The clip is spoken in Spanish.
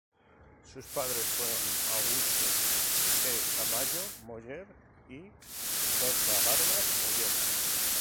Sus padres fueron Augusto E. Tamayo Moller y Berta Vargas Moller.